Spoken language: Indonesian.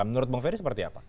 menurut bang ferry seperti apa